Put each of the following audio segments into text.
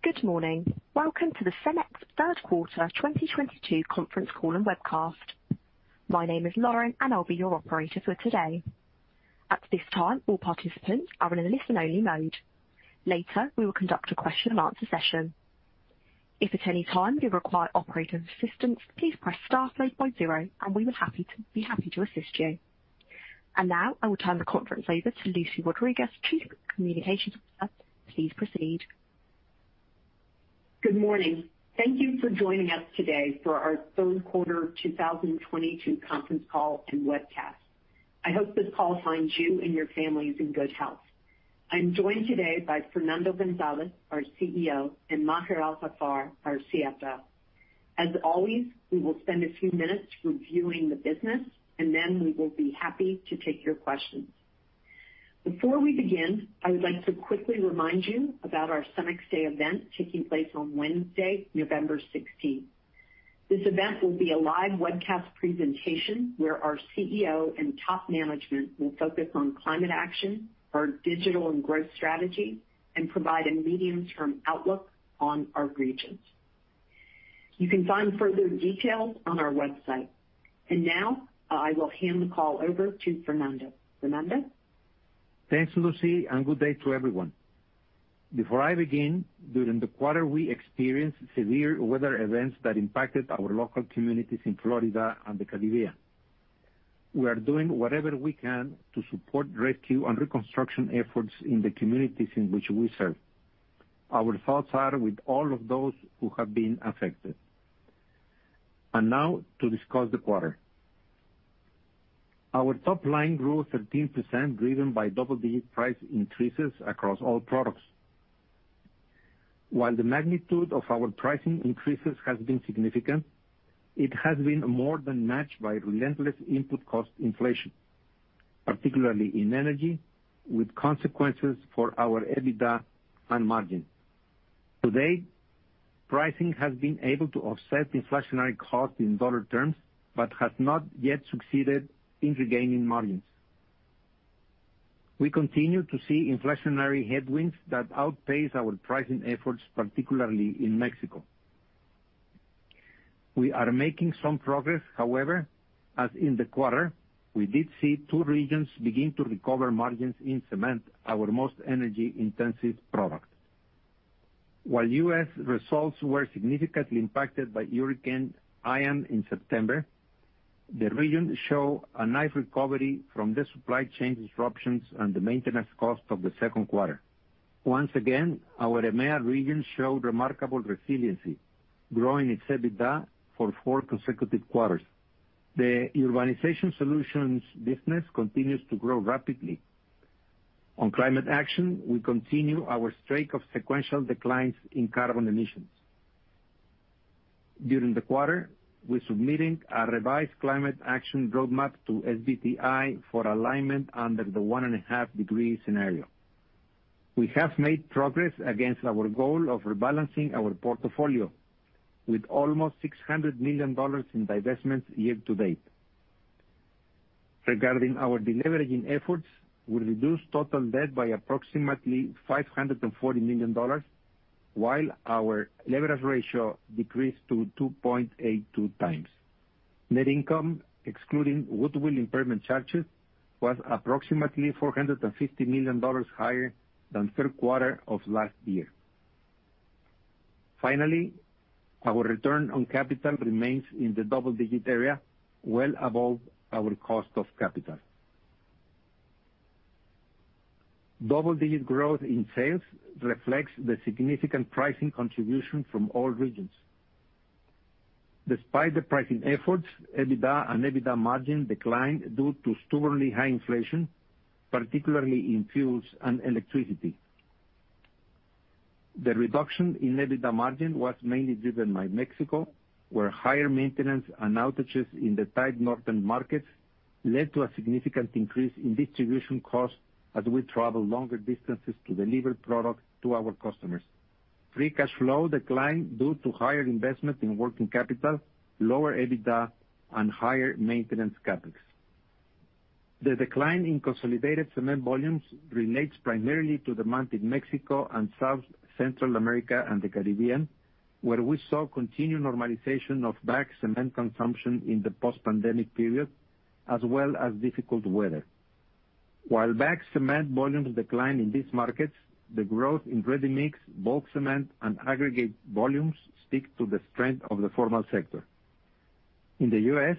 Good morning. Welcome to the CEMEX third quarter 2022 conference call and webcast. My name is Lauren, and I'll be your operator for today. At this time, all participants are in a listen-only mode. Later, we will conduct a question-and-answer session. If at any time you require operator assistance, please press star followed by zero, and we will be happy to assist you. Now, I will turn the conference over to Lucy Rodriguez, Chief Communications Officer. Please proceed. Good morning. Thank you for joining us today for our third quarter 2022 conference call and webcast. I hope this call finds you and your families in good health. I'm joined today by Fernando González, our CEO, and Maher Al-Haffar, our CFO. As always, we will spend a few minutes reviewing the business, and then we will be happy to take your questions. Before we begin, I would like to quickly remind you about our CEMEX Day event taking place on Wednesday, November 16th. This event will be a live webcast presentation where our CEO and top management will focus on climate action, our digital and growth strategy, and provide a medium-term outlook on our regions. You can find further details on our website. Now, I will hand the call over to Fernando. Fernando? Thanks, Lucy, and good day to everyone. Before I begin, during the quarter we experienced severe weather events that impacted our local communities in Florida and the Caribbean. We are doing whatever we can to support rescue and reconstruction efforts in the communities in which we serve. Our thoughts are with all of those who have been affected. Now to discuss the quarter. Our top line grew 13% driven by double-digit price increases across all products. While the magnitude of our pricing increases has been significant, it has been more than matched by relentless input cost inflation, particularly in energy, with consequences for our EBITDA and margin. To date, pricing has been able to offset inflationary costs in dollar terms, but has not yet succeeded in regaining margins. We continue to see inflationary headwinds that outpace our pricing efforts, particularly in Mexico. We are making some progress, however, as in the quarter we did see two regions begin to recover margins in cement, our most energy-intensive product. While U.S. results were significantly impacted by Hurricane Ian in September, the region show a nice recovery from the supply chain disruptions and the maintenance cost of the second quarter. Once again, our EMEA region showed remarkable resiliency, growing its EBITDA for four consecutive quarters. The Urbanization Solutions business continues to grow rapidly. On climate action, we continue our streak of sequential declines in carbon emissions. During the quarter, we're submitting a revised climate action roadmap to SBTi for alignment under the 1.5 degree scenario. We have made progress against our goal of rebalancing our portfolio with almost $600 million in divestments year to date. Regarding our deleveraging efforts, we reduced total debt by approximately $540 million, while our leverage ratio decreased to 2.82x. Net income, excluding goodwill impairment charges, was approximately $450 million higher than third quarter of last year. Finally, our return on capital remains in the double-digit area, well above our cost of capital. Double-digit growth in sales reflects the significant pricing contribution from all regions. Despite the pricing efforts, EBITDA and EBITDA margin declined due to stubbornly high inflation, particularly in fuels and electricity. The reduction in EBITDA margin was mainly driven by Mexico, where higher maintenance and outages in the tight northern markets led to a significant increase in distribution costs as we travel longer distances to deliver products to our customers. Free cash flow declined due to higher investment in working capital, lower EBITDA, and higher maintenance CapEx. The decline in consolidated cement volumes relates primarily to demand in Mexico and South Central America and the Caribbean, where we saw continued normalization of bagged cement consumption in the post-pandemic period, as well as difficult weather. While bagged cement volumes declined in these markets, the growth in ready-mix, bulk cement, and aggregate volumes speak to the strength of the formal sector. In the U.S.,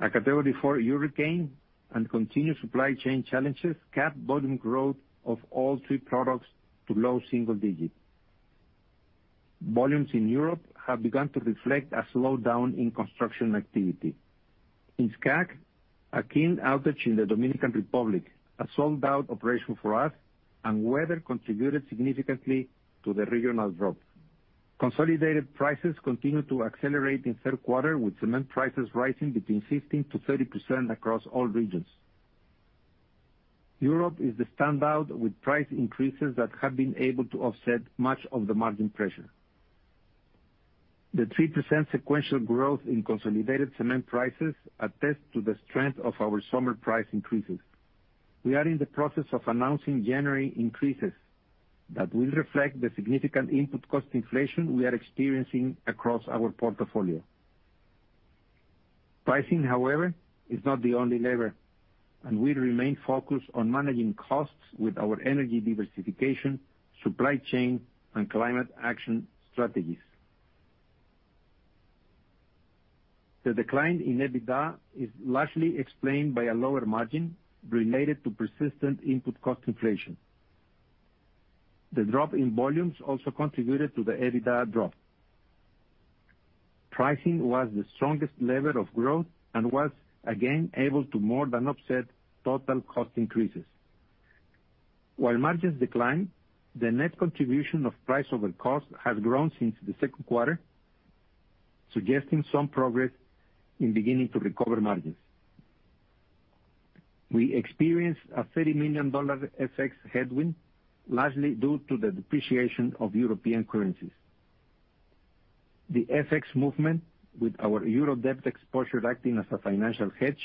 a Category 4 hurricane and continued supply chain challenges capped volume growth of all three products to low single digits. Volumes in Europe have begun to reflect a slowdown in construction activity. In SCAC, a kiln outage in the Dominican Republic, a sold-out operation for us, and weather contributed significantly to the regional drop. Consolidated prices continued to accelerate in the third quarter, with cement prices rising between 15%-30% across all regions. Europe is the standout, with price increases that have been able to offset much of the margin pressure. The 3% sequential growth in consolidated cement prices attest to the strength of our summer price increases. We are in the process of announcing January increases that will reflect the significant input cost inflation we are experiencing across our portfolio. Pricing, however, is not the only lever, and we remain focused on managing costs with our energy diversification, supply chain, and climate action strategies. The decline in EBITDA is largely explained by a lower margin related to persistent input cost inflation. The drop in volumes also contributed to the EBITDA drop. Pricing was the strongest lever of growth and was again able to more than offset total cost increases. While margins declined, the net contribution of price over cost has grown since the second quarter, suggesting some progress in beginning to recover margins. We experienced a $30 million FX headwind, largely due to the depreciation of European currencies. The FX movement with our Euro debt exposure acting as a financial hedge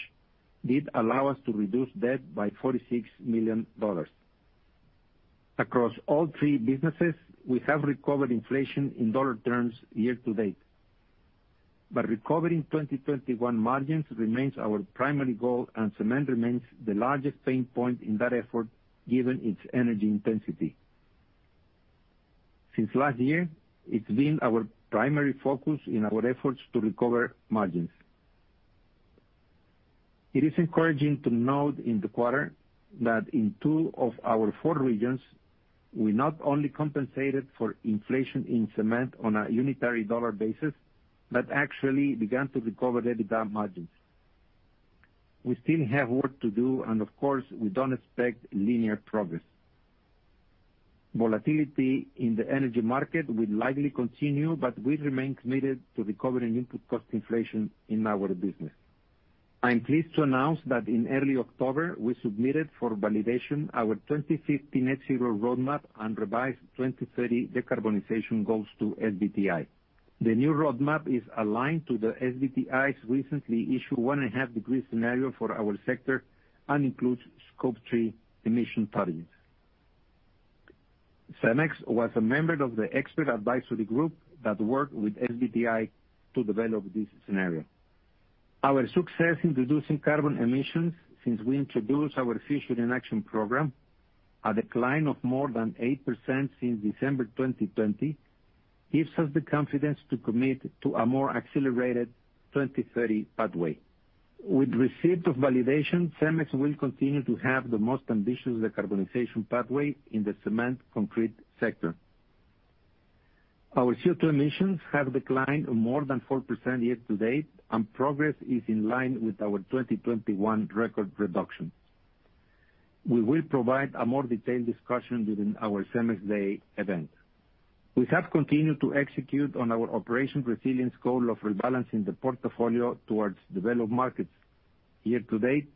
did allow us to reduce debt by $46 million. Across all three businesses, we have recovered inflation in dollar terms year to date. Recovering 2021 margins remains our primary goal, and cement remains the largest pain point in that effort given its energy intensity. Since last year, it's been our primary focus in our efforts to recover margins. It is encouraging to note in the quarter that in two of our four regions, we not only compensated for inflation in cement on a unitary dollar basis, but actually began to recover EBITDA margins. We still have work to do and of course, we don't expect linear progress. Volatility in the energy market will likely continue, but we remain committed to recovering input cost inflation in our business. I am pleased to announce that in early October, we submitted for validation our 2050 net zero roadmap and revised 2030 decarbonization goals to SBTi. The new roadmap is aligned to the SBTi's recently issued 1.5-degree scenario for our sector and includes Scope 3 emission targets. CEMEX was a member of the expert advisory group that worked with SBTi to develop this scenario. Our success in reducing carbon emissions since we introduced our Future in Action program, a decline of more than 8% since December 2020, gives us the confidence to commit to a more accelerated 2030 pathway. With receipt of validation, CEMEX will continue to have the most ambitious decarbonization pathway in the cement concrete sector. Our CO2 emissions have declined more than 4% year to date, and progress is in line with our 2021 record reduction. We will provide a more detailed discussion during our CEMEX Day event. We have continued to execute on our operational resilience goal of rebalancing the portfolio towards developed markets. Year to date,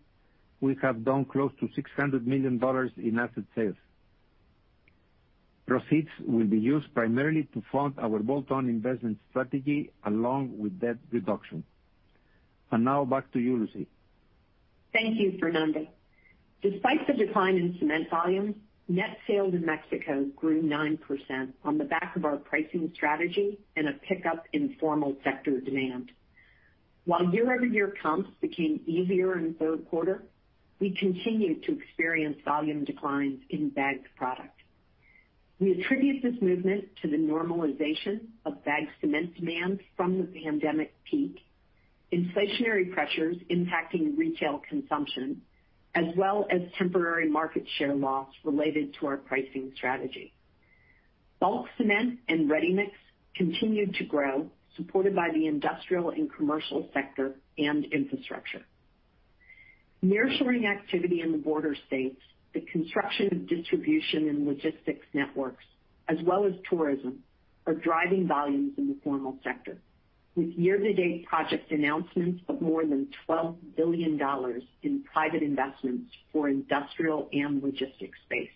we have done close to $600 million in asset sales. Proceeds will be used primarily to fund our bolt-on investment strategy along with debt reduction. Now back to you, Lucy. Thank you, Fernando. Despite the decline in cement volumes, net sales in Mexico grew 9% on the back of our pricing strategy and a pickup in formal sector demand. While year-over-year comps became easier in the third quarter, we continued to experience volume declines in bagged product. We attribute this movement to the normalization of bagged cement demand from the pandemic peak, inflationary pressures impacting retail consumption, as well as temporary market share loss related to our pricing strategy. Bulk cement and ready-mix continued to grow, supported by the industrial and commercial sector and infrastructure. Nearshoring activity in the border states, the construction of distribution and logistics networks, as well as tourism, are driving volumes in the formal sector. With year-to-date project announcements of more than $12 billion in private investments for industrial and logistics space.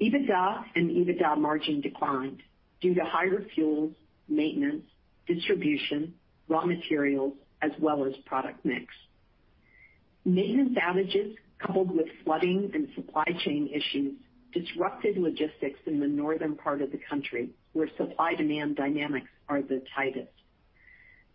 EBITDA and EBITDA margin declined due to higher fuels, maintenance, distribution, raw materials, as well as product mix. Maintenance outages coupled with flooding and supply chain issues disrupted logistics in the northern part of the country, where supply-demand dynamics are the tightest.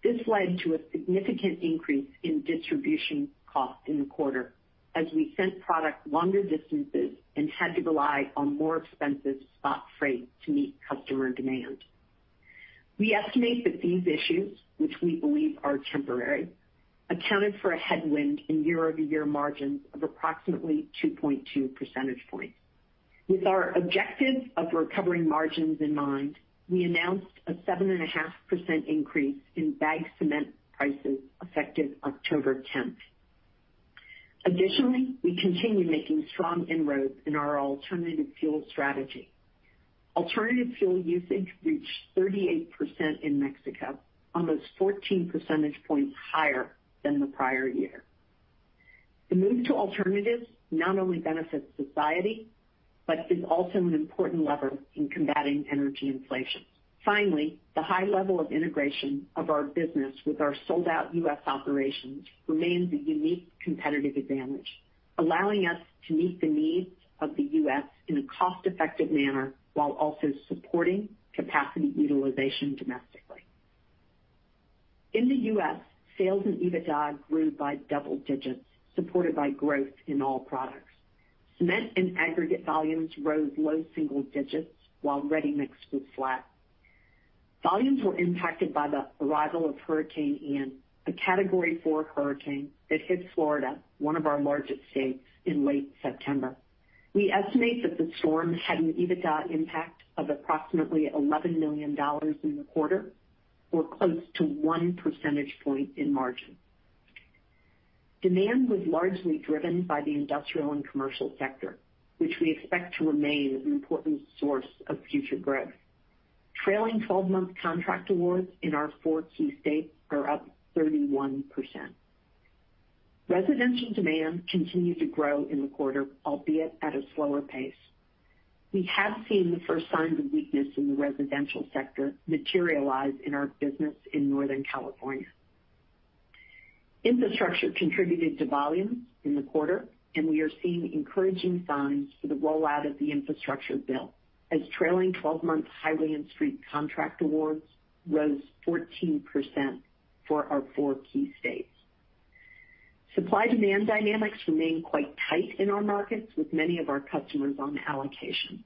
This led to a significant increase in distribution costs in the quarter as we sent product longer distances and had to rely on more expensive spot freight to meet customer demand. We estimate that these issues, which we believe are temporary, accounted for a headwind in year-over-year margins of approximately 2.2 percentage points. With our objective of recovering margins in mind, we announced a 7.5% increase in bagged cement prices effective October 10th. Additionally, we continue making strong inroads in our alternative fuel strategy. Alternative fuel usage reached 38% in Mexico, almost 14 percentage points higher than the prior year. The move to alternatives not only benefits society, but is also an important lever in combating energy inflation. Finally, the high level of integration of our business with our sold-out U.S. operations remains a unique competitive advantage, allowing us to meet the needs of the U.S. in a cost-effective manner while also supporting capacity utilization domestically. In the U.S., sales and EBITDA grew by double digits, supported by growth in all products. Cement and aggregate volumes rose low single digits, while ready-mix was flat. Volumes were impacted by the arrival of Hurricane Ian, a Category 4 hurricane that hit Florida, one of our largest states, in late September. We estimate that the storm had an EBITDA impact of approximately $11 million in the quarter or close to 1 percentage point in margin. Demand was largely driven by the industrial and commercial sector, which we expect to remain an important source of future growth. Trailing twelve-month contract awards in our four key states are up 31%. Residential demand continued to grow in the quarter, albeit at a slower pace. We have seen the first signs of weakness in the residential sector materialize in our business in Northern California. Infrastructure contributed to volumes in the quarter, and we are seeing encouraging signs for the rollout of the infrastructure bill, as trailing twelve-month highway and street contract awards rose 14% for our four key states. Supply-demand dynamics remain quite tight in our markets, with many of our customers on allocation.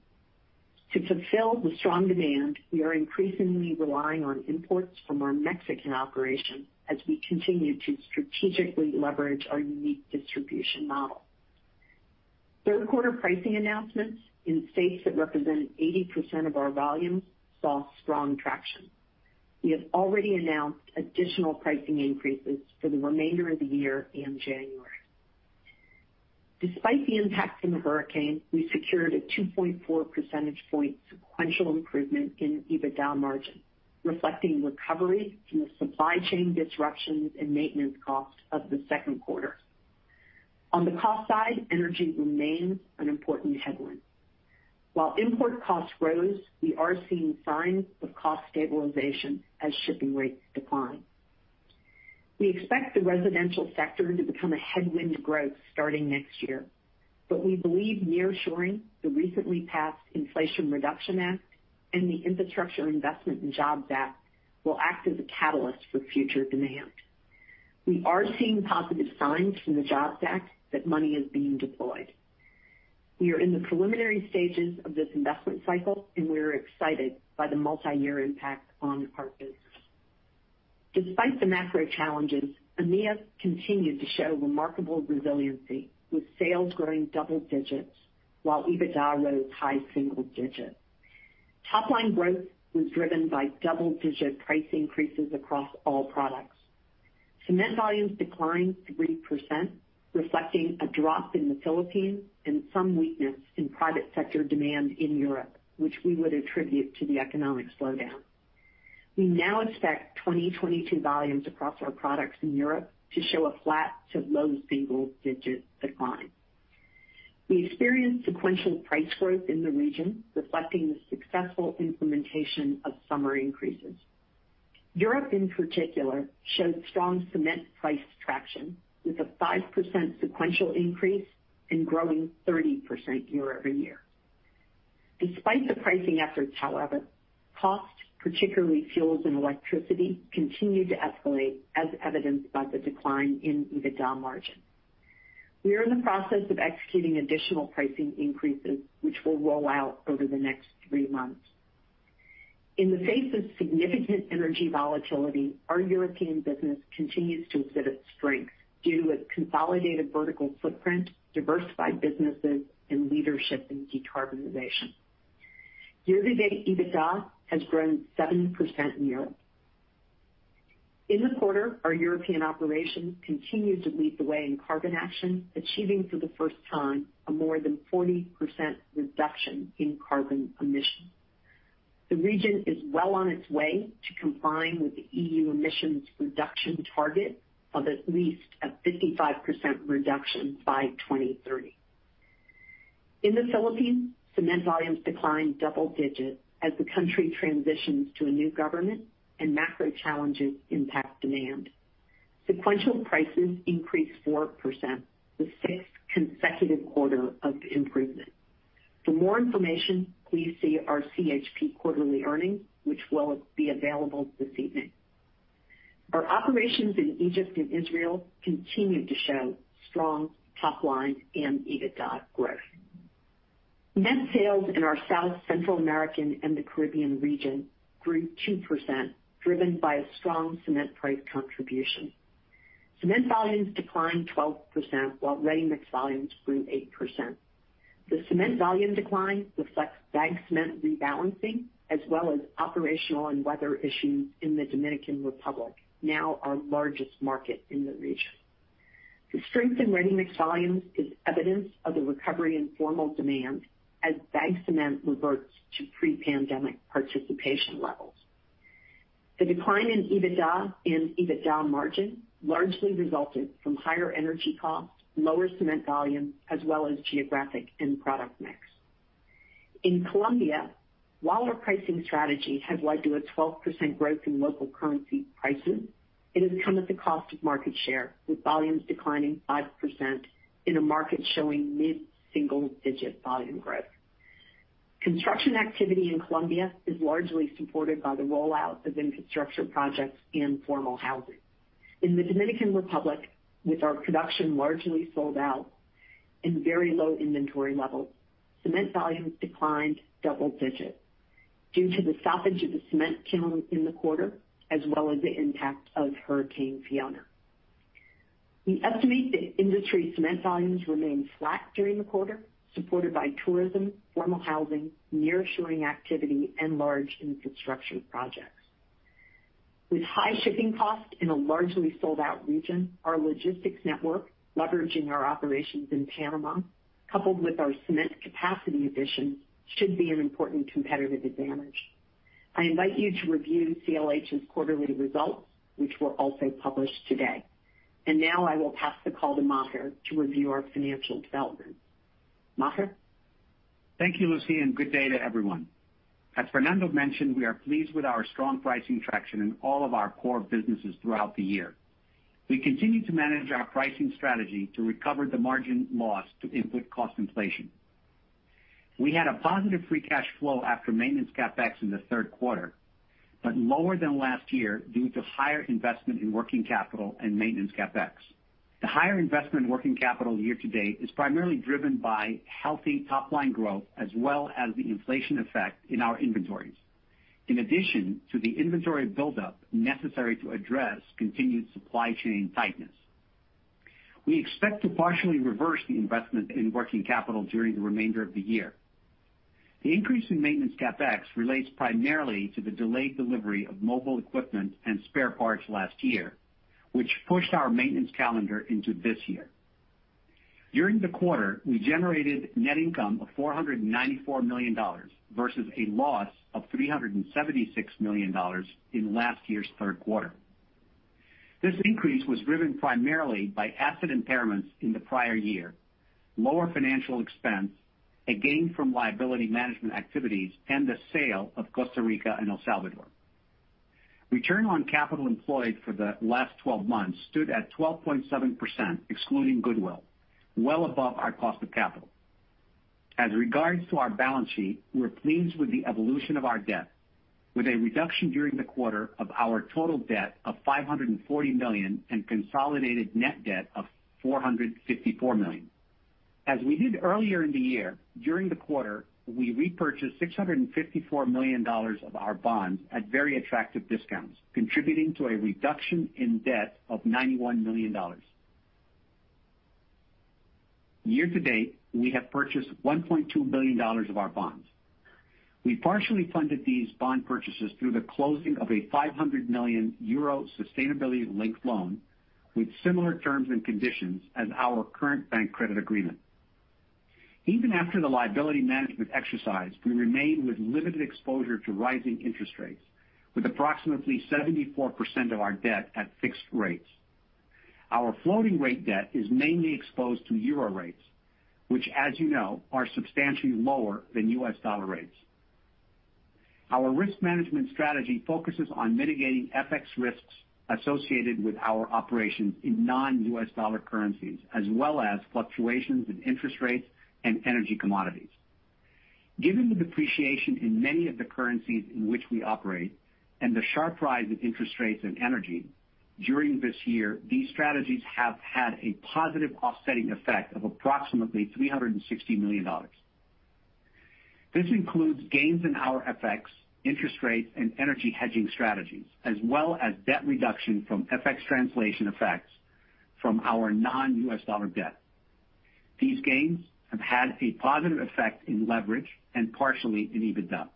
To fulfill the strong demand, we are increasingly relying on imports from our Mexican operations as we continue to strategically leverage our unique distribution model. Third quarter pricing announcements in states that represent 80% of our volumes saw strong traction. We have already announced additional pricing increases for the remainder of the year in January. Despite the impact from the hurricane, we secured a 2.4 percentage point sequential improvement in EBITDA margin, reflecting recovery from the supply chain disruptions and maintenance costs of the second quarter. On the cost side, energy remains an important headwind. While import costs rose, we are seeing signs of cost stabilization as shipping rates decline. We expect the residential sector to become a headwind to growth starting next year, but we believe nearshoring, the recently passed Inflation Reduction Act, and the Infrastructure Investment and Jobs Act will act as a catalyst for future demand. We are seeing positive signs from the Jobs Act that money is being deployed. We are in the preliminary stages of this investment cycle, and we are excited by the multiyear impact on our business. Despite the macro challenges, EMEA continued to show remarkable resiliency, with sales growing double-digit while EBITDA rose high single-digit. Topline growth was driven by double-digit price increases across all products. Cement volumes declined 3%, reflecting a drop in the Philippines and some weakness in private sector demand in Europe, which we would attribute to the economic slowdown. We now expect 2022 volumes across our products in Europe to show a flat to low single-digit decline. We experienced sequential price growth in the region, reflecting the successful implementation of summer increases. Europe in particular showed strong cement price traction, with a 5% sequential increase and growing 30% year-over-year. Despite the pricing efforts, however, costs, particularly fuels and electricity, continued to escalate, as evidenced by the decline in EBITDA margin. We are in the process of executing additional pricing increases, which will roll out over the next three months. In the face of significant energy volatility, our European business continues to exhibit strength due to its consolidated vertical footprint, diversified businesses, and leadership in decarbonization. Year-to-date, EBITDA has grown 7% in Europe. In the quarter, our European operations continued to lead the way in carbon action, achieving for the first time a more than 40% reduction in carbon emissions. The region is well on its way to complying with the EU emissions reduction target of at least a 55% reduction by 2030. In the Philippines, cement volumes declined double digits as the country transitions to a new government and macro challenges impact demand. Sequential prices increased 4%, the sixth consecutive quarter of improvement. For more information, please see our CEMEX Holdings Philippines quarterly earnings, which will be available this evening. Our operations in Egypt and Israel continued to show strong top-line and EBITDA growth. Net sales in our South and Central American and the Caribbean region grew 2%, driven by a strong cement price contribution. Cement volumes declined 12%, while ready-mix volumes grew 8%. The cement volume decline reflects bag cement rebalancing as well as operational and weather issues in the Dominican Republic, now our largest market in the region. The strength in ready-mix volumes is evidence of the recovery in formal demand as bag cement reverts to pre-pandemic participation levels. The decline in EBITDA and EBITDA margin largely resulted from higher energy costs, lower cement volume, as well as geographic and product mix. In Colombia, while our pricing strategy has led to a 12% growth in local currency pricing, it has come at the cost of market share, with volumes declining 5% in a market showing mid-single-digit volume growth. Construction activity in Colombia is largely supported by the rollout of infrastructure projects in formal housing. In the Dominican Republic, with our production largely sold out and very low inventory level, cement volumes declined double-digit due to the stoppage of the cement kiln in the quarter, as well as the impact of Hurricane Fiona. We estimate that industry cement volumes remained flat during the quarter, supported by tourism, formal housing, nearshoring activity, and large infrastructure projects. With high shipping costs in a largely sold-out region, our logistics network, leveraging our operations in Panama, coupled with our cement capacity additions, should be an important competitive advantage. I invite you to review CLH's quarterly results, which were also published today. Now I will pass the call to Maher to review our financial developments. Maher? Thank you, Lucy, and good day to everyone. As Fernando mentioned, we are pleased with our strong pricing traction in all of our core businesses throughout the year. We continue to manage our pricing strategy to recover the margin loss to input cost inflation. We had a positive free cash flow after maintenance CapEx in the third quarter, but lower than last year due to higher investment in working capital and maintenance CapEx. The higher investment in working capital year-to-date is primarily driven by healthy top-line growth as well as the inflation effect in our inventories, in addition to the inventory buildup necessary to address continued supply chain tightness. We expect to partially reverse the investment in working capital during the remainder of the year. The increase in maintenance CapEx relates primarily to the delayed delivery of mobile equipment and spare parts last year, which pushed our maintenance calendar into this year. During the quarter, we generated net income of $494 million versus a loss of $376 million in last year's third quarter. This increase was driven primarily by asset impairments in the prior year, lower financial expense, a gain from liability management activities, and the sale of Costa Rica and El Salvador. Return on capital employed for the last twelve months stood at 12.7%, excluding goodwill, well above our cost of capital. As regards to our balance sheet, we're pleased with the evolution of our debt, with a reduction during the quarter of our total debt of $540 million and consolidated net debt of $454 million. As we did earlier in the year, during the quarter, we repurchased $654 million of our bonds at very attractive discounts, contributing to a reduction in debt of $91 million. Year-to-date, we have purchased $1.2 billion of our bonds. We partially funded these bond purchases through the closing of 500 million euro sustainability-linked loan with similar terms and conditions as our current bank credit agreement. Even after the liability management exercise, we remain with limited exposure to rising interest rates, with approximately 74% of our debt at fixed rates. Our floating rate debt is mainly exposed to euro rates, which, as you know, are substantially lower than U.S. dollar rates. Our risk management strategy focuses on mitigating FX risks associated with our operations in non-U.S. dollar currencies, as well as fluctuations in interest rates and energy commodities. Given the depreciation in many of the currencies in which we operate and the sharp rise in interest rates and energy during this year, these strategies have had a positive offsetting effect of approximately $360 million. This includes gains in our FX interest rates and energy hedging strategies, as well as debt reduction from FX translation effects from our non-U.S. dollar debt. These gains have had a positive effect in leverage and partially in EBITDA.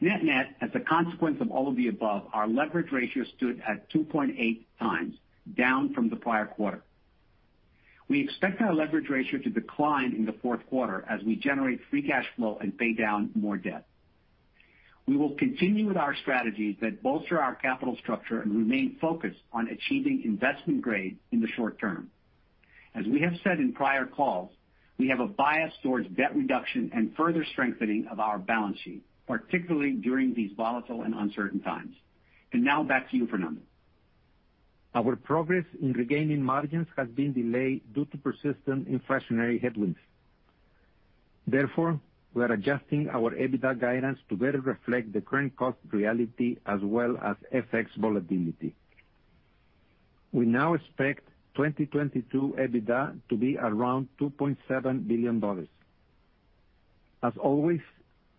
Net-net, as a consequence of all of the above, our leverage ratio stood at 2.8 times, down from the prior quarter. We expect our leverage ratio to decline in the fourth quarter as we generate free cash flow and pay down more debt. We will continue with our strategies that bolster our capital structure and remain focused on achieving investment grade in the short term. As we have said in prior calls, we have a bias towards debt reduction and further strengthening of our balance sheet, particularly during these volatile and uncertain times. Now back to you, Fernando. Our progress in regaining margins has been delayed due to persistent inflationary headwinds. Therefore, we are adjusting our EBITDA guidance to better reflect the current cost reality as well as FX volatility. We now expect 2022 EBITDA to be around $2.7 billion. As always,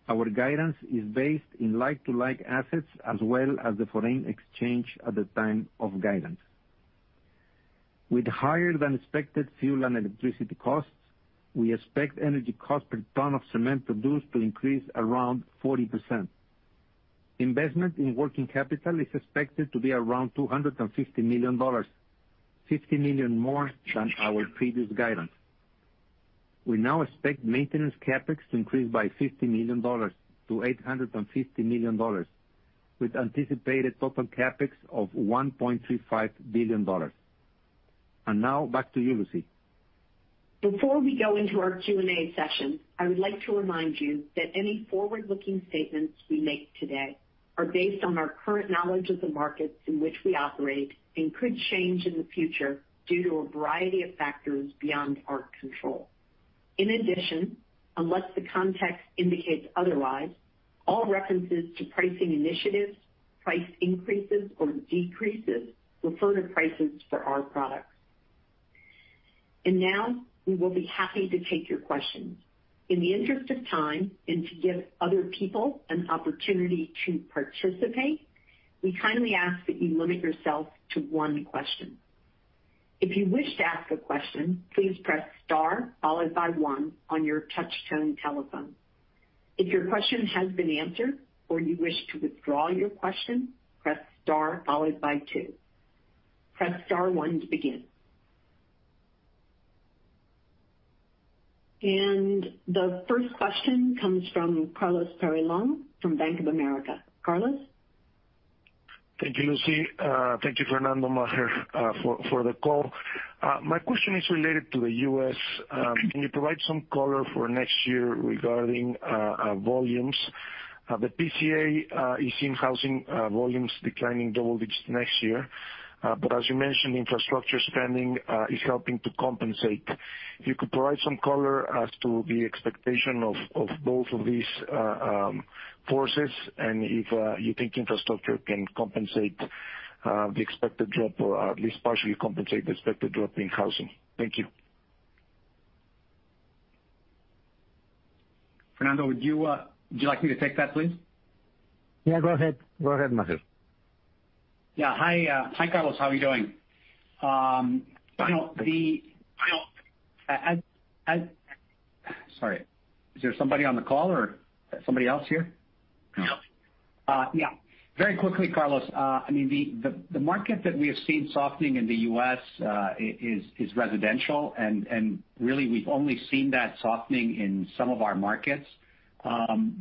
our guidance is based on like-for-like assets as well as the foreign exchange at the time of guidance. With higher than expected fuel and electricity costs, we expect energy cost per ton of cement produced to increase around 40%. Investment in working capital is expected to be around $250 million, $50 million more than our previous guidance. We now expect maintenance CapEx to increase by $50 million to $850 million, with anticipated total CapEx of $1.35 billion. Now back to you, Lucy. Before we go into our Q&A session, I would like to remind you that any forward-looking statements we make today are based on our current knowledge of the markets in which we operate and could change in the future due to a variety of factors beyond our control. In addition, unless the context indicates otherwise, all references to pricing initiatives, price increases or decreases refer to prices for our products. Now we will be happy to take your questions. In the interest of time and to give other people an opportunity to participate, we kindly ask that you limit yourself to one question. If you wish to ask a question, please press star followed by one on your touch-tone telephone. If your question has been answered or you wish to withdraw your question, press star followed by two. Press star one to begin. The first question comes from Carlos Peyrelongue from Bank of America. Carlos? Thank you, Lucy. Thank you, Fernando, Maher, for the call. My question is related to the U.S. Can you provide some color for next year regarding volumes? The Portland Cement Association is seeing housing volumes declining double digits next year. As you mentioned, infrastructure spending is helping to compensate. If you could provide some color as to the expectation of both of these forces and if you think infrastructure can compensate the expected drop or at least partially compensate the expected drop in housing? Thank you. Fernando, would you like me to take that, please? Yeah, go ahead, Maher. Hi. Hi, Carlos. How are you doing? Sorry, is there somebody on the call or somebody else here? No. Yeah. Very quickly, Carlos. I mean, the market that we have seen softening in the U.S. is residential. Really, we've only seen that softening in some of our markets.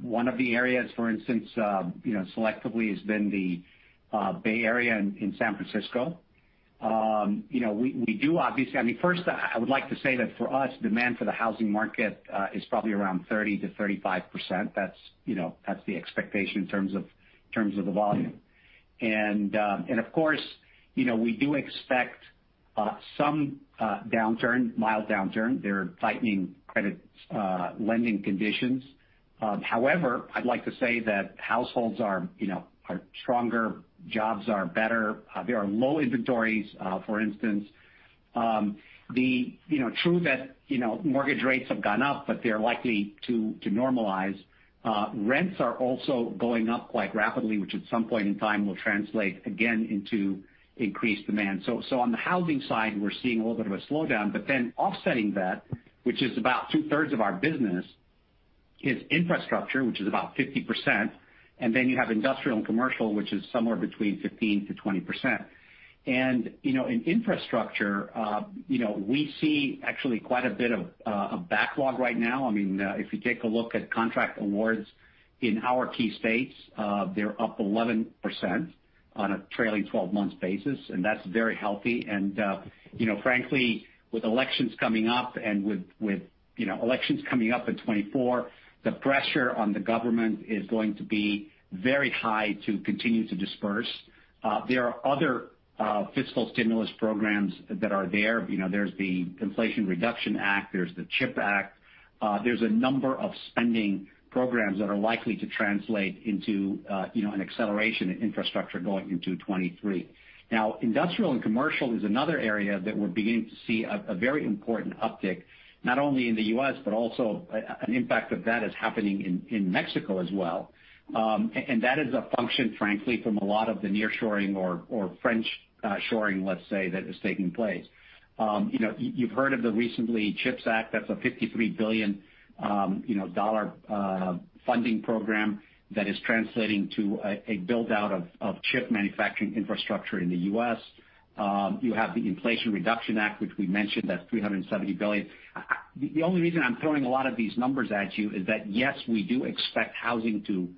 One of the areas, for instance, you know, selectively has been the Bay Area in San Francisco. I mean, first I would like to say that for us, demand for the housing market is probably around 30%-35%. That's you know, that's the expectation in terms of the volume. Of course, you know, we do expect some mild downturn. There are tightening credit lending conditions. However, I'd like to say that households are you know, stronger, jobs are better. There are low inventories for instance. It's true that, you know, mortgage rates have gone up, but they're likely to normalize. Rents are also going up quite rapidly, which at some point in time will translate again into increased demand. So on the housing side, we're seeing a little bit of a slowdown. Then offsetting that, which is about two-thirds of our business, is infrastructure, which is about 50%. Then you have industrial and commercial, which is somewhere between 15%-20%. You know, in infrastructure, you know, we see actually quite a bit of a backlog right now. I mean, if you take a look at contract awards in our key states, they're up 11% on a trailing twelve months basis, and that's very healthy. You know, frankly, with elections coming up in 2024, the pressure on the government is going to be very high to continue to disperse. There are other fiscal stimulus programs that are there. You know, there's the Inflation Reduction Act, there's the CHIPS and Science Act. There's a number of spending programs that are likely to translate into, you know, an acceleration in infrastructure going into 2023. Now, industrial and commercial is another area that we're beginning to see a very important uptick, not only in the U.S., but also an impact of that is happening in Mexico as well. That is a function, frankly, from a lot of the nearshoring or friend-shoring, let's say, that is taking place. You know, you've heard of the recent CHIPS and Science Act. That's a $53 billion, you know, dollar funding program that is translating to a build out of chip manufacturing infrastructure in the U.S. You have the Inflation Reduction Act, which we mentioned, that's $370 billion. The only reason I'm throwing a lot of these numbers at you is that, yes, we do expect housing to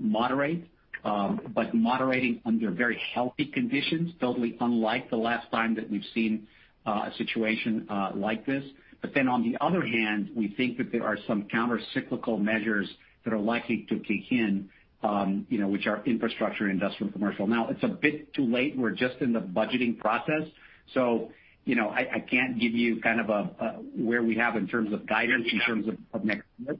moderate, but moderating under very healthy conditions, totally unlike the last time that we've seen a situation like this. On the other hand, we think that there are some countercyclical measures that are likely to kick in, you know, which are infrastructure, industrial, commercial. Now it's a bit too late. We're just in the budgeting process. You know, I can't give you kind of a where we have in terms of guidance in terms of next year.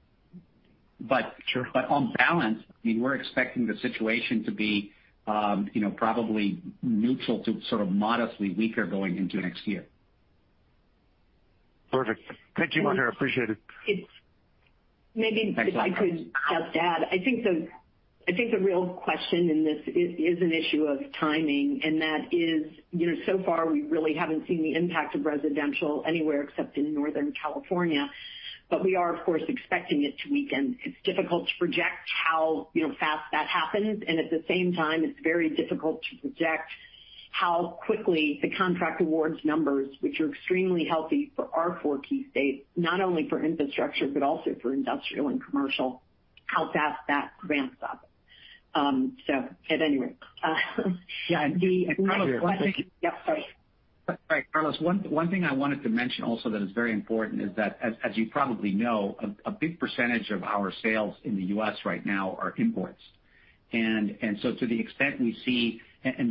Sure. On balance, I mean, we're expecting the situation to be, you know, probably neutral to sort of modestly weaker going into next year. Perfect. Thank you, Maher. I appreciate it. Maybe if I could just add, I think the real question in this is an issue of timing, and that is, you know, so far we really haven't seen the impact of residential anywhere except in Northern California, but we are, of course, expecting it to weaken. It's difficult to project how, you know, fast that happens, And at the same time, it's very difficult to project how quickly the contract awards numbers, which are extremely healthy for our four key states, not only for infrastructure, but also for industrial and commercial, how fast that ramps up. At any rate. Yeah. The next question. Carlos, I think. Yep, sorry. All right, Carlos, one thing I wanted to mention also that is very important is that as you probably know, a big percentage of our sales in the U.S. right now are imports. To the extent we see,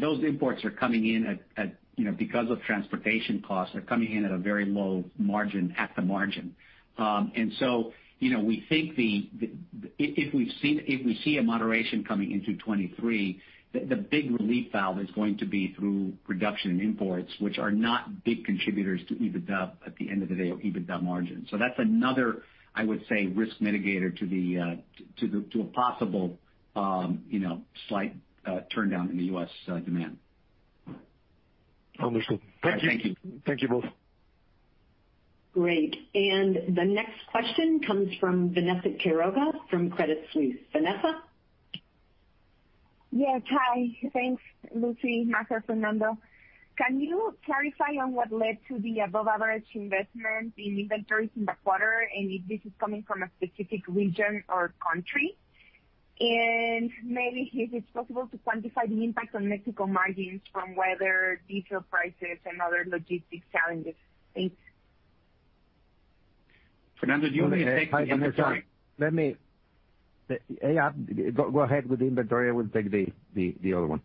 those imports are coming in at, you know, because of transportation costs, they're coming in at a very low margin, at the margin. We think if we see a moderation coming into 2023, the big relief valve is going to be through reduction in imports, which are not big contributors to EBITDA at the end of the day or EBITDA margins. That's another, I would say, risk mitigator to a possible, you know, slight turndown in the U.S. demand. Understood. Thank you. Thank you. Thank you both. Great. The next question comes from Vanessa Quiroga from Credit Suisse. Vanessa? Yes. Hi. Thanks, Lucy, Maher, Fernando. Can you clarify on what led to the above average investment in inventories in the quarter, and if this is coming from a specific region or country? Maybe if it's possible to quantify the impact on Mexico margins from weather, diesel prices, and other logistics challenges. Thanks. Fernando, do you wanna take the inventory? Hi, Vanessa. Yeah, go ahead with the inventory. I will take the other one.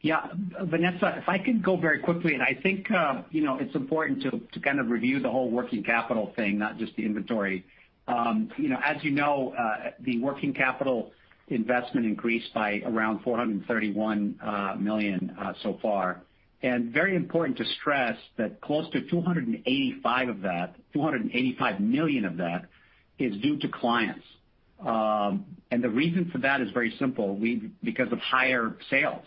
Yeah. Vanessa, if I could go very quickly, and I think, you know, it's important to kind of review the whole working capital thing, not just the inventory. You know, as you know, the working capital investment increased by around $431 million so far. Very important to stress that close to $285 million of that, $285 million of that is due to clients. The reason for that is very simple, because of higher sales.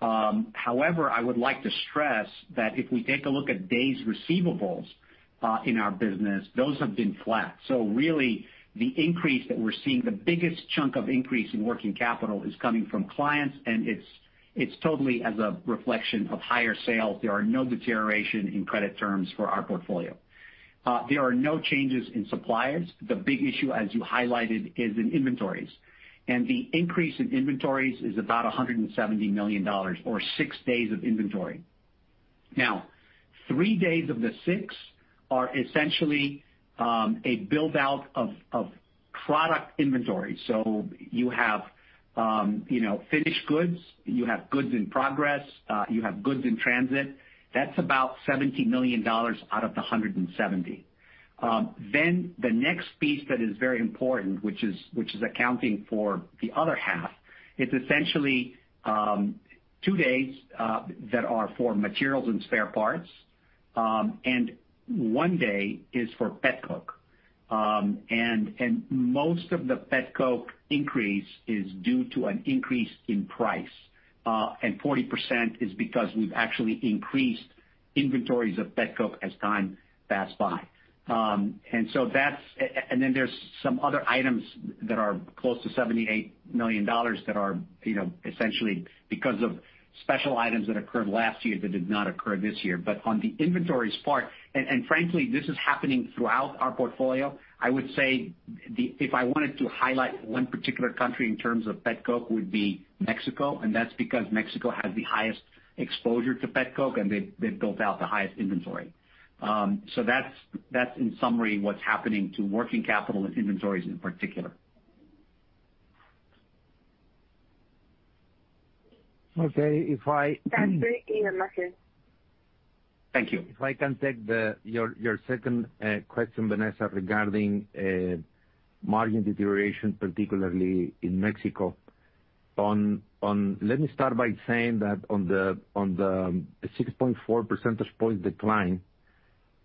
However, I would like to stress that if we take a look at days receivables in our business, those have been flat. Really the increase that we're seeing, the biggest chunk of increase in working capital is coming from clients, and it's totally as a reflection of higher sales. There are no deterioration in credit terms for our portfolio. There are no changes in suppliers. The big issue, as you highlighted, is in inventories. The increase in inventories is about $170 million or six days of inventory. Now, three days of the six are essentially a build-out of product inventory. You have, you know, finished goods, you have goods in progress, you have goods in transit. That's about $70 million out of the 170. Then the next piece that is very important, which is accounting for the other half, it's essentially two days that are for materials and spare parts, and one day is for petcoke. Most of the petcoke increase is due to an increase in price. 40% is because we've actually increased inventories of petcoke as time passed by. Then there's some other items that are close to $78 million that are, you know, essentially because of special items that occurred last year that did not occur this year. On the inventories part, frankly, this is happening throughout our portfolio, I would say if I wanted to highlight one particular country in terms of petcoke would be Mexico, and that's because Mexico has the highest exposure to petcoke, and they've built out the highest inventory. In summary what's happening to working capital and inventories in particular. Okay. If I That's very clear, Maher. Thank you. If I can take your second question, Vanessa, regarding margin deterioration, particularly in Mexico. Let me start by saying that on the 6.4 percentage point decline,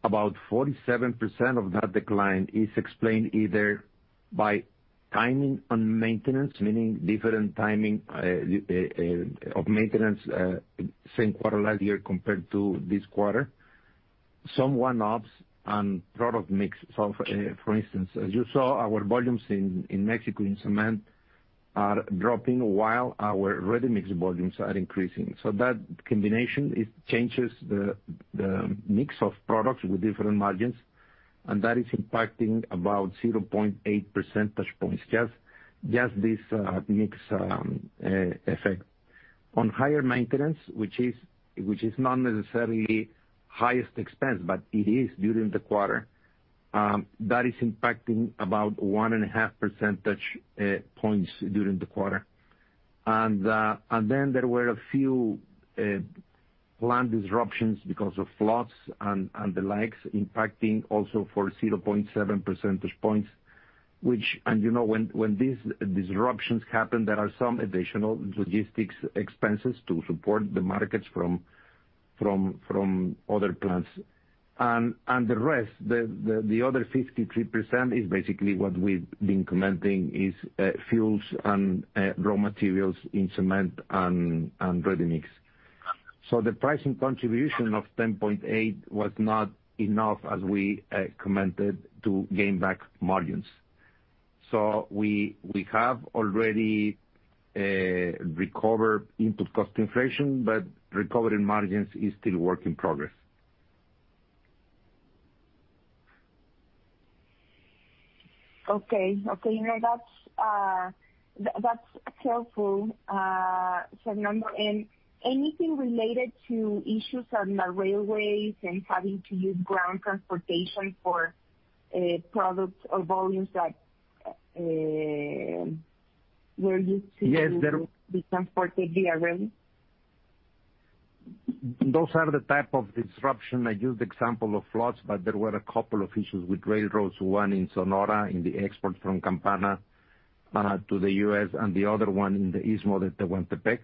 about 47% of that decline is explained either by timing on maintenance, meaning different timing of maintenance same quarter last year compared to this quarter. Some one-offs on product mix. For instance, as you saw, our volumes in Mexico in cement are dropping while our ready-mix volumes are increasing. That combination, it changes the mix of products with different margins, and that is impacting about 0.8 percentage points. Just this mix effect. On higher maintenance, which is not necessarily the highest expense, but it is during the quarter that is impacting about 1.5 percentage points during the quarter. Then there were a few plant disruptions because of floods and the like impacting also 0.7 percentage points. You know when these disruptions happen, there are some additional logistics expenses to support the markets from other plants. The rest, the other 53% is basically what we've been commenting, is fuels and raw materials in cement and ready-mix. The pricing contribution of 10.8% was not enough, as we commented, to gain back margins. We have already recovered input cost inflation, but recovery margins is still work in progress. Okay. No, that's helpful, Fernando. Anything related to issues on the railways and having to use ground transportation for products or volumes that were used to- Yes. Be transported via rail? Those are the type of disruption. I used example of floods, but there were a couple of issues with railroads, one in Sonora in the export from Campana to the U.S. and the other one in the Istmo de Tehuantepec.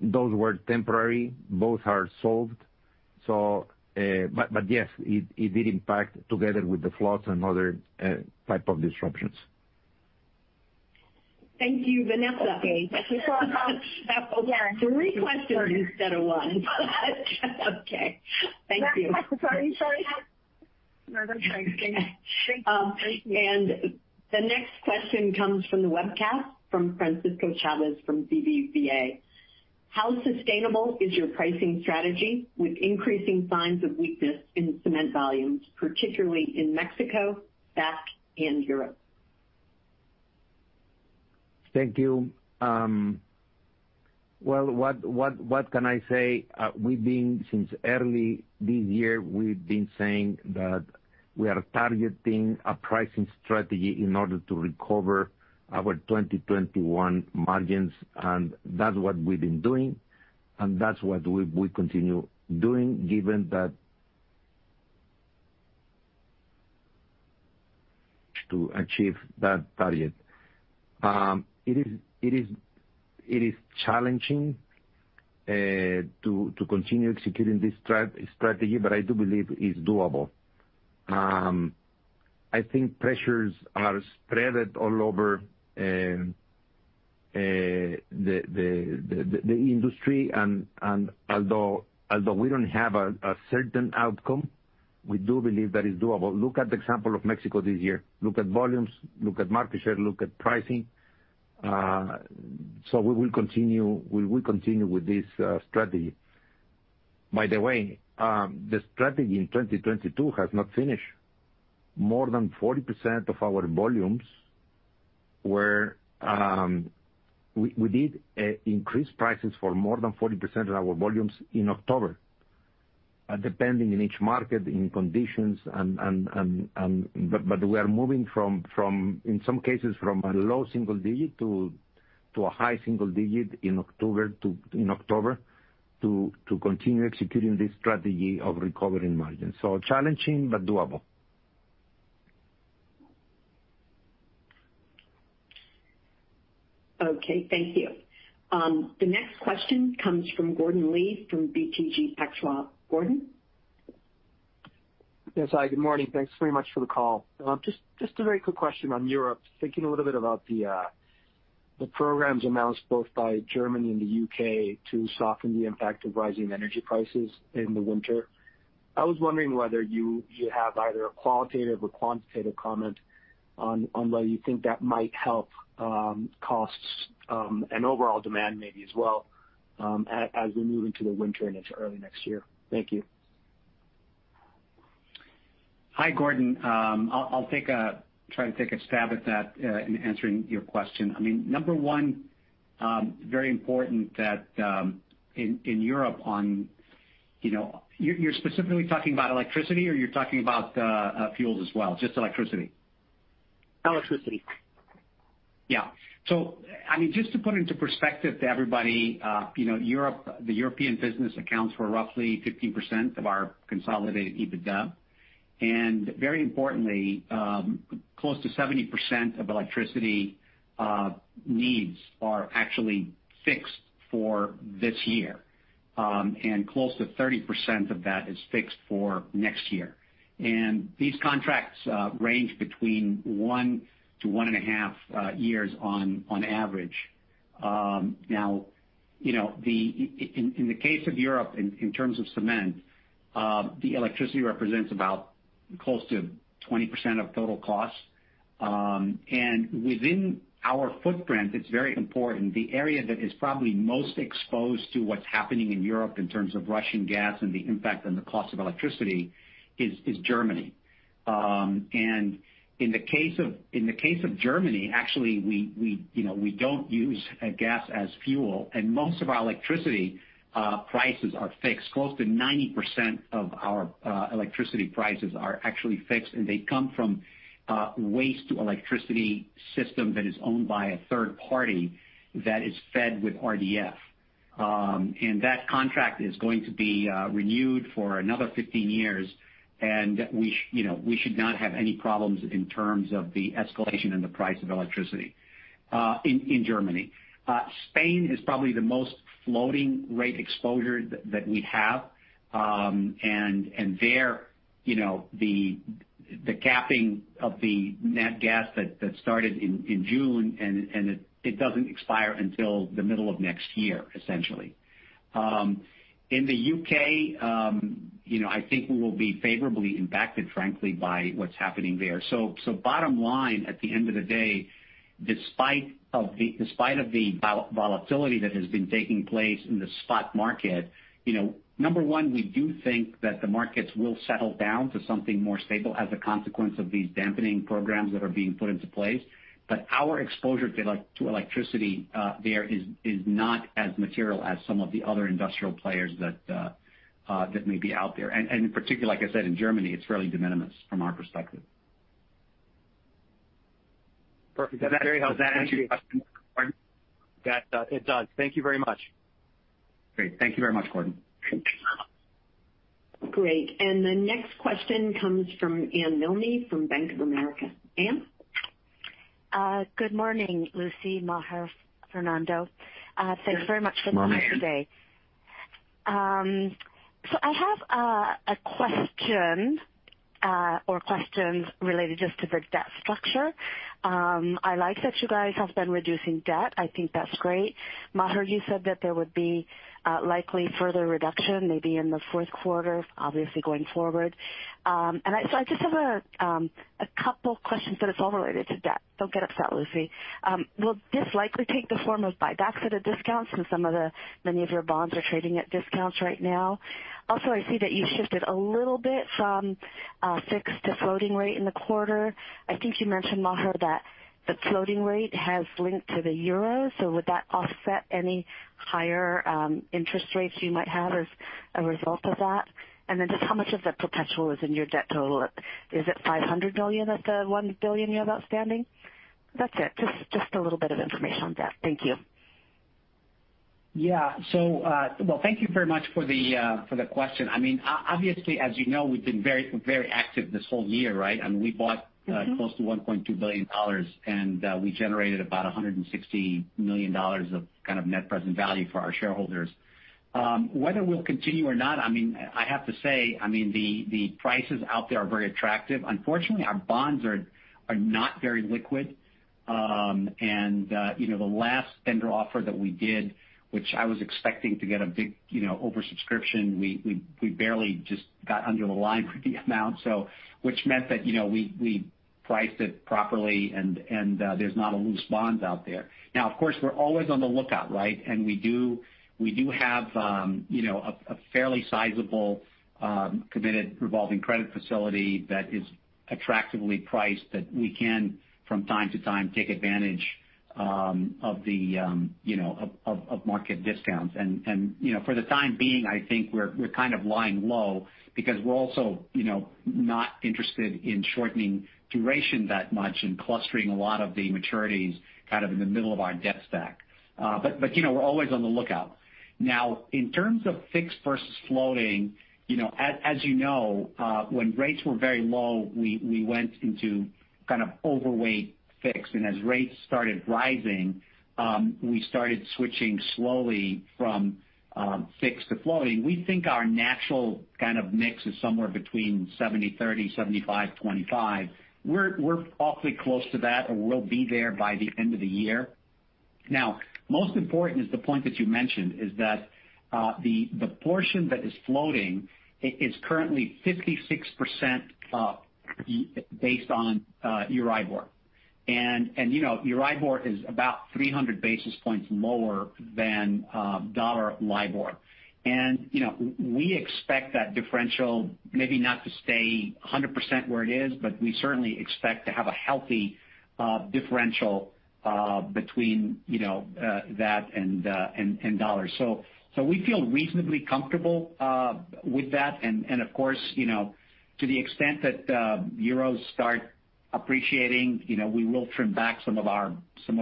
Those were temporary. Both are solved. Yes, it did impact together with the floods and other type of disruptions. Thank you, Vanessa. Okay. Three questions instead of one. Okay. Thank you. Sorry. The next question comes from the webcast from Francisco Chavez from BBVA. "How sustainable is your pricing strategy with increasing signs of weakness in cement volumes, particularly in Mexico, LAC, and Europe?" Thank you. Well, what can I say? Since early this year, we've been saying that we are targeting a pricing strategy in order to recover our 2021 margins, and that's what we've been doing, and that's what we continue doing given that to achieve that target. It is challenging to continue executing this strategy, but I do believe it's doable. I think pressures are spread all over the industry. Although we don't have a certain outcome, we do believe that it's doable. Look at the example of Mexico this year. Look at volumes, look at market share, look at pricing. We will continue with this strategy. By the way, the strategy in 2022 has not finished. We did increase prices for more than 40% of our volumes in October, depending on each market and conditions. We are moving from, in some cases, a low single-digit to a high single-digit in October to continue executing this strategy of recovering margins. Challenging but doable. Okay. Thank you. The next question comes from Gordon Lee from BTG Pactual. Gordon? Yes. Hi, good morning. Thanks very much for the call. Just a very quick question on Europe. Thinking a little bit about the programs announced both by Germany and the U.K. to soften the impact of rising energy prices in the winter. I was wondering whether you have either a qualitative or quantitative comment on whether you think that might help costs and overall demand maybe as well as we move into the winter and into early next year. Thank you. Hi, Gordon Lee. I'll try to take a stab at that in answering your question. I mean, number one, very important that in Europe, you know. You're specifically talking about electricity or you're talking about fuels as well? Just electricity? Electricity. I mean, just to put into perspective to everybody, the European business accounts for roughly 15% of our consolidated EBITDA. Very importantly, close to 70% of electricity needs are actually fixed for this year, and close to 30% of that is fixed for next year. These contracts range between 1-1.5 years on average. In the case of Europe, in terms of cement, the electricity represents about close to 20% of total costs. Within our footprint, it's very important, the area that is probably most exposed to what's happening in Europe in terms of Russian gas and the impact on the cost of electricity is Germany. In the case of Germany, actually, we you know, we don't use gas as fuel, and most of our electricity prices are fixed. Close to 90% of our electricity prices are actually fixed, and they come from a waste to electricity system that is owned by a third party that is fed with RDF. That contract is going to be renewed for another 15 years, and we you know, we should not have any problems in terms of the escalation in the price of electricity in Germany. Spain is probably the most floating rate exposure that we have. There, you know, the capping of the natural gas that started in June and it doesn't expire until the middle of next year, essentially. In the U.K., you know, I think we will be favorably impacted, frankly, by what's happening there. Bottom line, at the end of the day, despite the volatility that has been taking place in the spot market, you know, number one, we do think that the markets will settle down to something more stable as a consequence of these dampening programs that are being put into place. Our exposure to electricity there is not as material as some of the other industrial players that may be out there. In particular, like I said, in Germany, it's really de minimis from our perspective. Perfect. That's very helpful. Thank you. Does that answer your question, Gordon? That it does. Thank you very much. Great. Thank you very much, Gordon. Great. The next question comes from Anne Milne from Bank of America. Anne? Good morning, Lucy, Maher, Fernando. Thanks very much for holding today. Good morning. I have a question or questions related just to the debt structure. I like that you guys have been reducing debt. I think that's great. Maher, you said that there would be likely further reduction maybe in the fourth quarter, obviously going forward. I just have a couple questions, but it's all related to debt. Don't get upset, Lucy. Will this likely take the form of buybacks at a discount since many of your bonds are trading at discounts right now? Also, I see that you shifted a little bit from fixed to floating rate in the quarter. I think you mentioned, Maher, that the floating rate has linked to the euro, so would that offset any higher interest rates you might have as a result of that? Just how much of the potential is in your debt total? Is it $500 million of the $1 billion you have outstanding? That's it. Just a little bit of information on debt. Thank you. Yeah. Well, thank you very much for the question. I mean, obviously, as you know, we've been very, very active this whole year, right? I mean, we bought close to $1.2 billion, and we generated about $160 million of kind of net present value for our shareholders. Whether we'll continue or not, I mean, I have to say, I mean, the prices out there are very attractive. Unfortunately, our bonds are not very liquid. And, you know, the last tender offer that we did, which I was expecting to get a big, you know, oversubscription, we barely just got under the line for the amount. Which meant that, you know, we priced it properly and, there's not a loose bond out there. Now, of course, we're always on the lookout, right? We do have a fairly sizable committed revolving credit facility that is attractively priced that we can from time to time take advantage of the market discounts. For the time being, I think we're kind of lying low because we're also not interested in shortening duration that much and clustering a lot of the maturities kind of in the middle of our debt stack. But you know, we're always on the lookout. Now, in terms of fixed versus floating, you know, as you know, when rates were very low, we went into kind of overweight fixed. As rates started rising, we started switching slowly from fixed to floating. We think our natural kind of mix is somewhere between 70/30, 75/25. We're awfully close to that or we'll be there by the end of the year. Now, most important is the point that you mentioned is that the portion that is floating is currently 56%, based on EURIBOR. You know, EURIBOR is about 300 basis points lower than dollar LIBOR. You know, we expect that differential maybe not to stay 100% where it is, but we certainly expect to have a healthy differential between you know that and dollars. We feel reasonably comfortable with that. Of course, you know, to the extent that euros start appreciating, you know, we will trim back some of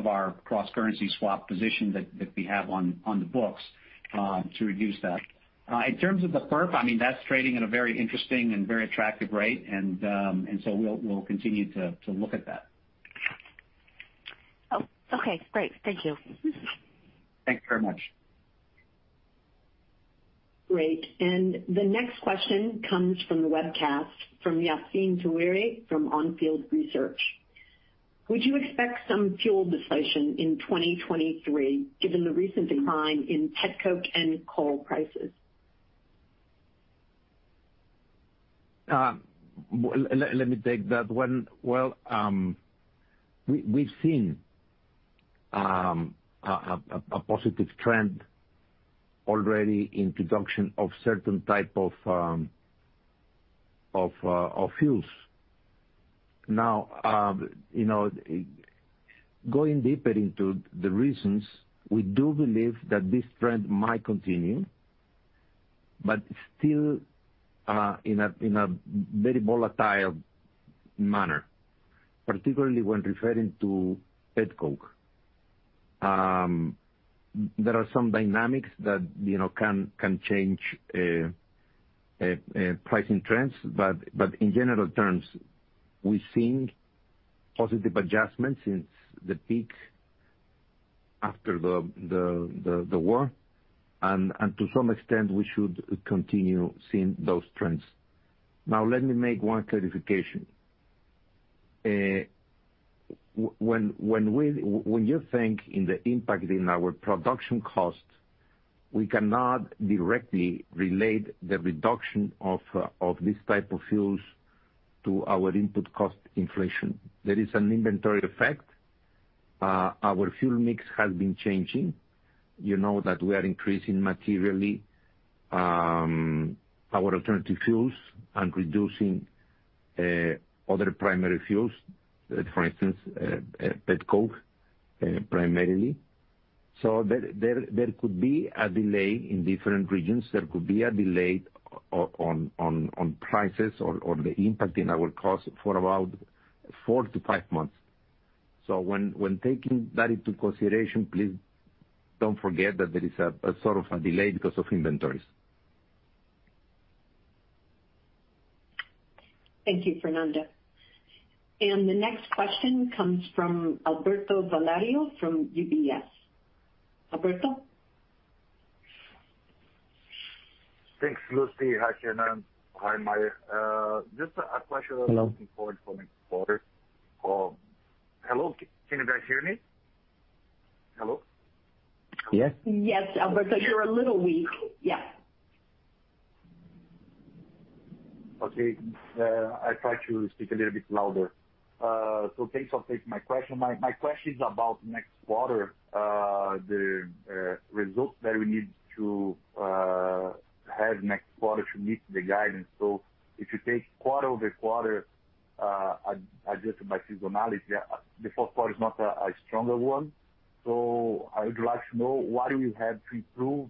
our cross-currency swap positions that we have on the books to reduce that. In terms of the perpetual, I mean, that's trading at a very interesting and very attractive rate. We'll continue to look at that. Oh, okay. Great. Thank you. Thank you very much. Great. The next question comes from the webcast from Yassine Touahri from On Field Investment Research. Would you expect some fuel deflation in 2023 given the recent decline in petcoke and coal prices? Let me take that one. Well, we've seen a positive trend already in production of certain type of fuels. Now, you know, going deeper into the reasons, we do believe that this trend might continue. But still, in a very volatile manner, particularly when referring to petcoke. There are some dynamics that, you know, can change pricing trends. But in general terms, we've seen positive adjustments since the peak after the war. And to some extent, we should continue seeing those trends. Now let me make one clarification. When you think of the impact on our production cost, we cannot directly relate the reduction of these type of fuels to our input cost inflation. There is an inventory effect. Our fuel mix has been changing. You know that we are increasing materially our alternative fuels and reducing other primary fuels, for instance, petcoke, primarily. There could be a delay in different regions. There could be a delay on prices or the impact in our cost for about 4-5 months. When taking that into consideration, please don't forget that there is sort of a delay because of inventories. Thank you, Fernando. The next question comes from Alberto Valerio from UBS. Alberto? Thanks, Lucy. Hi, Fernando. Hi, Maher. Just a question looking forward for next quarter. Hello, can you guys hear me? Hello? Yes. Yes, Alberto. You're a little weak. Yeah. Okay. I try to speak a little bit louder. Thanks for taking my question. My question is about next quarter. The results that we need to have next quarter to meet the guidance. If you take quarter-over-quarter, adjusted by seasonality, the fourth quarter is not a stronger one. I would like to know, what do we have to improve,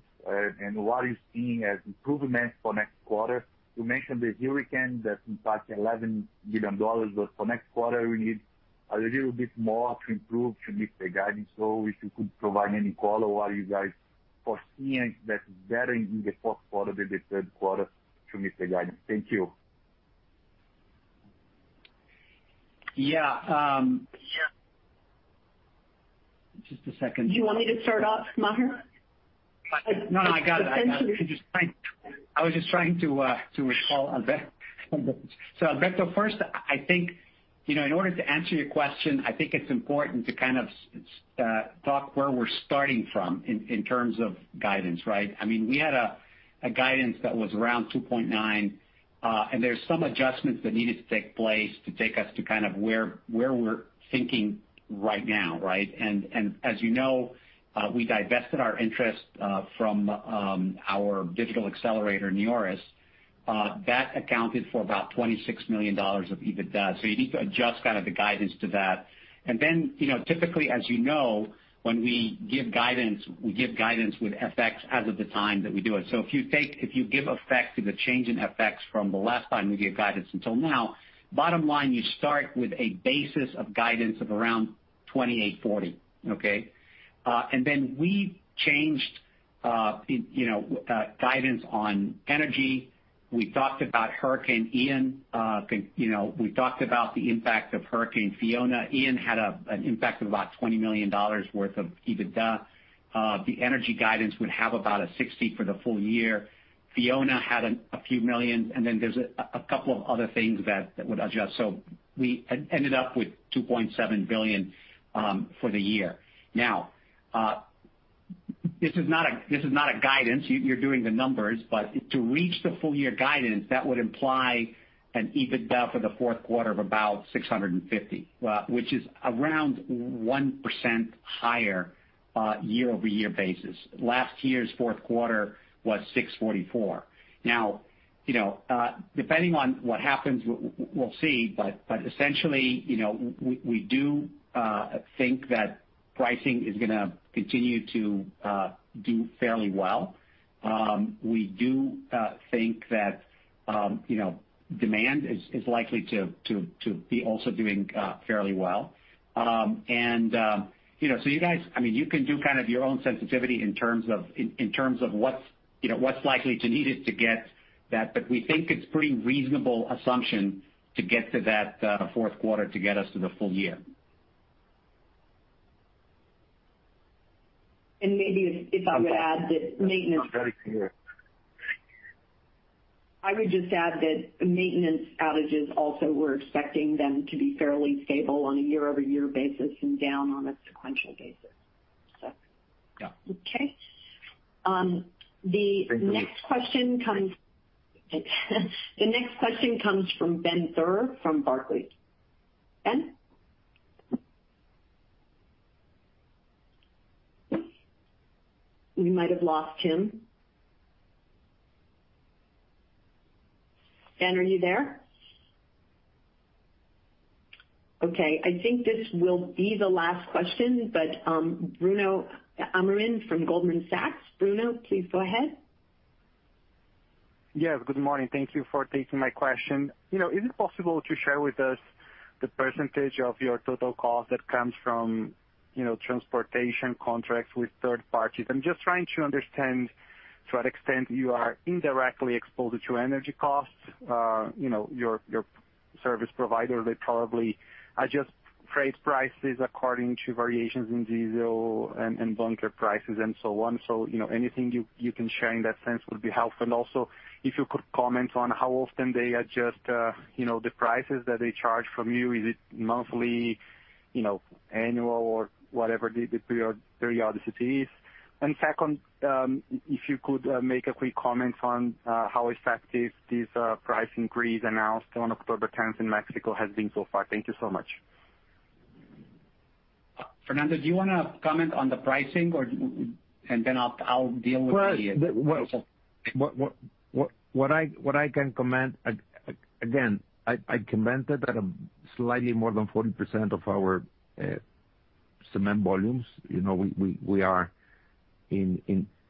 and what are you seeing as improvement for next quarter? You mentioned the hurricane that impacted $11 billion. But for next quarter, we need a little bit more to improve to meet the guidance. If you could provide any color, what are you guys foreseeing that is better in the fourth quarter than the third quarter to meet the guidance? Thank you. Yeah. Just a second. Do you want me to start off, Maher? No, I got it. I was just trying to recall. Alberto. Alberto, first, I think you know in order to answer your question, I think it's important to kind of talk where we're starting from in terms of guidance, right? I mean, we had a guidance that was around 2.9, and there's some adjustments that needed to take place to take us to kind of where we're thinking right now, right? As you know, we divested our interest from our digital accelerator, Neoris. That accounted for about $26 million of EBITDA. You need to adjust kind of the guidance to that. You know, typically, as you know, when we give guidance, we give guidance with FX as of the time that we do it. If you give effect to the change in FX from the last time we gave guidance until now, bottom line, you start with a basis of guidance of around 2,840. Okay? We changed guidance on energy. We talked about Hurricane Ian. We talked about the impact of Hurricane Fiona. Hurricane Ian had an impact of about $20 million worth of EBITDA. The energy guidance would have about $60 for the full year. Hurricane Fiona had a few $ million, and then there's a couple of other things that would adjust. We ended up with $2.7 billion for the year. Now, this is not a guidance. You're doing the numbers. To reach the full year guidance, that would imply an EBITDA for the fourth quarter of about $650, which is around 1% higher year-over-year. Last year's fourth quarter was $644 million. Now, you know, depending on what happens, we'll see, but essentially, you know, we do think that pricing is gonna continue to do fairly well. We do think that, you know, demand is likely to be also doing fairly well. And, you know, so you guys, I mean, you can do kind of your own sensitivity in terms of what's likely to be needed to get that. But we think it's pretty reasonable assumption to get to that fourth quarter to get us to the full year. Maybe if I would add that maintenance. Very clear. I would just add that maintenance outages also, we're expecting them to be fairly stable on a year-over-year basis and down on a sequential basis. So. Yeah. The next question comes from Ben Theurer from Barclays. Ben? We might have lost him. Ben, are you there? Okay, I think this will be the last question, but Bruno Amorim from Goldman Sachs. Bruno, please go ahead. Yes, good morning. Thank you for taking my question. You know, is it possible to share with us the percentage of your total cost that comes from, you know, transportation contracts with third parties? I'm just trying to understand to what extent you are indirectly exposed to energy costs. You know, your service provider, they probably adjust freight prices according to variations in diesel and bunker prices and so on. So, you know, anything you can share in that sense would be helpful. Also, if you could comment on how often they adjust, you know, the prices that they charge from you. Is it monthly, you know, annual or whatever the periodicity is. Second, if you could make a quick comment on how effective this price increase announced on October 10th in Mexico has been so far. Thank you so much. Fernando, do you wanna comment on the pricing, and then I'll deal with the Well, what I can comment, again, I commented that slightly more than 40% of our cement volumes, you know, we are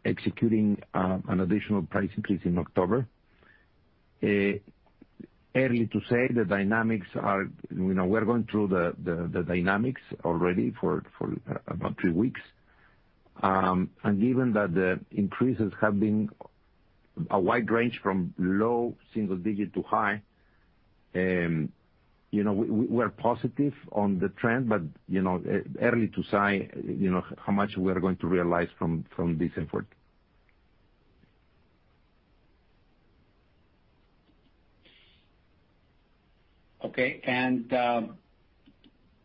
executing an additional price increase in October. Early to say the dynamics are, you know, we're going through the dynamics already for about three weeks. Given that the increases have been a wide range from low single digit to high, you know, we're positive on the trend, but, you know, early to say, you know, how much we are going to realize from this effort.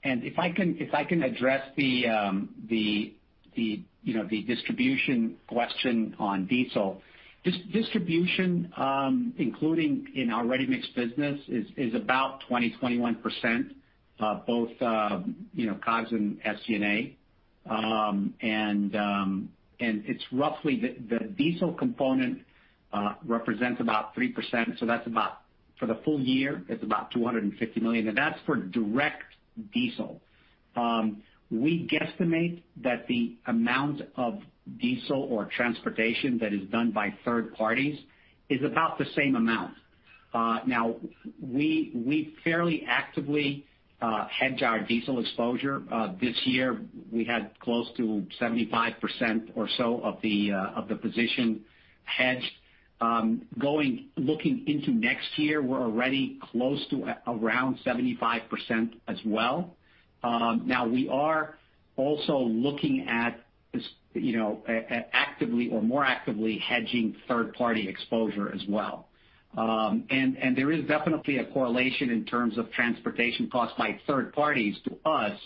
If I can address the distribution question on diesel, distribution including in our ready-mix business is about 21%, both COGS and SG&A. It's roughly the diesel component represents about 3%, so that's about $250 million for the full year, and that's for direct diesel. We guesstimate that the amount of diesel or transportation that is done by third parties is about the same amount. Now we fairly actively hedge our diesel exposure. This year we had close to 75% or so of the position hedged. Looking into next year, we're already close to around 75% as well. Now we are also looking at this, you know, actively or more actively hedging third party exposure as well. There is definitely a correlation in terms of transportation costs by third parties to us,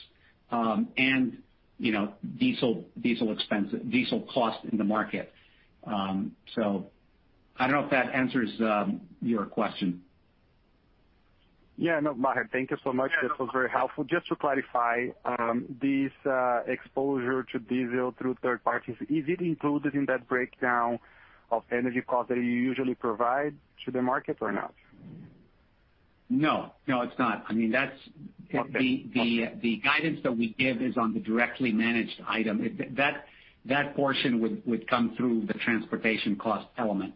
and you know, diesel expense, diesel cost in the market. I don't know if that answers your question. Yeah. No, Maher, thank you so much. Yeah. No problem. This was very helpful. Just to clarify, this exposure to diesel through third parties, is it included in that breakdown of energy costs that you usually provide to the market or not? No, it's not. I mean, that's Okay. Okay. The guidance that we give is on the directly managed item. That portion would come through the transportation cost element.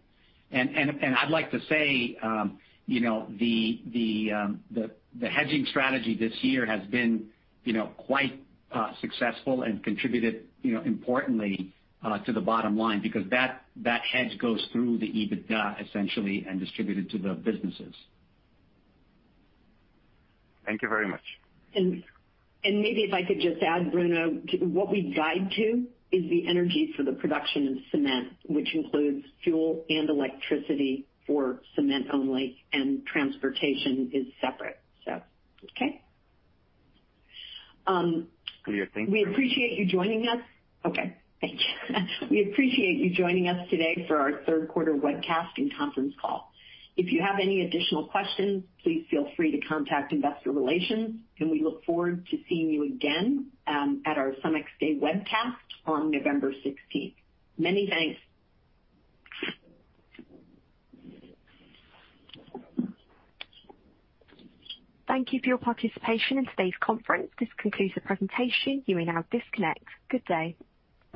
I'd like to say, you know, the hedging strategy this year has been, you know, quite successful and contributed, you know, importantly, to the bottom line because that hedge goes through the EBITDA essentially and distributed to the businesses. Thank you very much. Maybe if I could just add, Bruno, what we guide to is the energy for the production of cement, which includes fuel and electricity for cement only, and transportation is separate, so. Okay? Yeah. Thank you. We appreciate you joining us. Okay, thank you. We appreciate you joining us today for our third quarter webcast and conference call. If you have any additional questions, please feel free to contact investor relations, and we look forward to seeing you again at our CEMEX Day webcast on November 16th. Many thanks. Thank you for your participation in today's conference. This concludes the presentation. You may now disconnect. Good day.